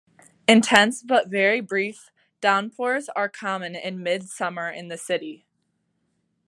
Intense but very brief downpours are common in mid-summer in the city.